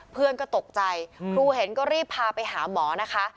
เพื่อนก็ตกใจครูเห็นก็รีบพาไปหาหมอนะคะ